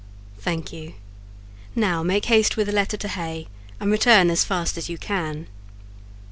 "Thank you; now make haste with the letter to Hay, and return as fast as you can."